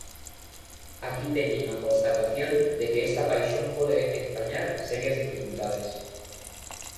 Aquí teñen a constatación de que esta paixón pode entrañar serias dificultades.